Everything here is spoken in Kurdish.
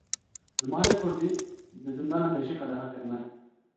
Zimanê Kurdî, di zindanan de jî qedexe kirine